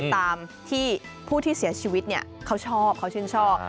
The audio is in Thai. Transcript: ตามที่ผู้ที่เสียชีวิตเขาชอบเขาชื่นชอบ